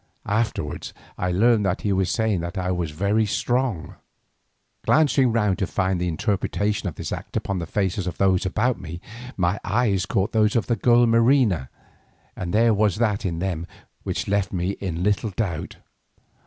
Afterwards I learned that he was saying that I was very strong. Glancing round to find the interpretation of this act upon the faces of those about me, my eyes caught those of the girl Marina, and there was that in them which left me in little doubt.